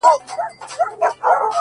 • تا څه کوئ اختر د بې اخترو په وطن کي؛